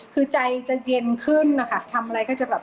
คือใจจะเย็นขึ้นนะคะทำอะไรก็จะแบบ